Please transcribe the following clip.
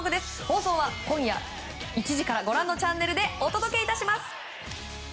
放送は今夜１時からご覧のチャンネルでお届け致します。